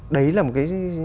đấy là một cái